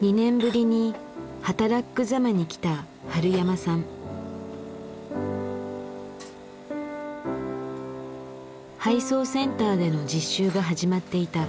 ２年ぶりにはたらっく・ざまに来た配送センターでの実習が始まっていた。